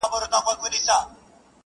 • خداى دي ساته له بــېـلــتــــونـــــه ـ